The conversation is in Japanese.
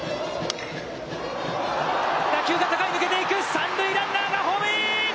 三塁ランナーがホームイン！